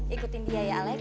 ikutin dia ya alex